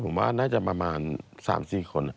ผมว่าน่าจะประมาณ๓๔คน